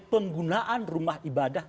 penggunaan rumah ibadah